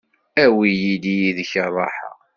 Awi-yi-d yid-k ṛṛaḥa.